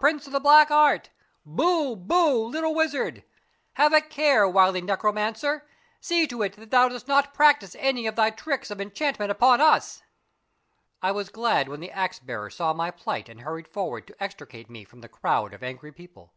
Prince of the Black Art ! Boo, boo, little wizard ! Have a care, wily necromancer, see to it that thou dost not practise any of thy tricks of enchantment upon us !" I was glad when the axe bearer saw my plight and hurried forward to extricate me from the crowd of angry people.